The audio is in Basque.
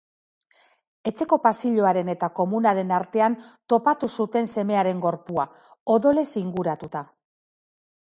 Etxeko pasilloaren eta komunaren artean topatu zuten semearen gorpua, odolez inguratuta.